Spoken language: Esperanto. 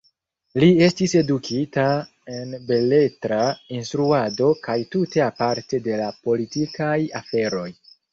Li estis edukita en beletra instruado kaj tute aparte de la politikaj aferoj.